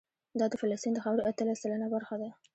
دا د فلسطین د خاورې اتلس سلنه برخه ده.